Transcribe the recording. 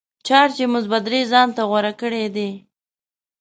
چارج یې مثبت درې ځانته غوره کړی دی.